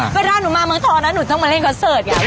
เวลาหนูมาเมืองทองน๊ะหนูต้องมาเล่นคอร์สเซิร์ตอย่างงี้